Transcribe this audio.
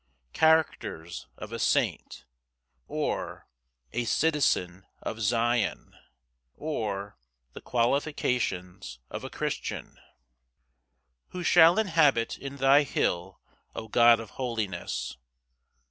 Characters of a saint; or, a citizen of Zion; or, The qualifications of a Christian. 1 Who shall inhabit in thy hill, O God of holiness?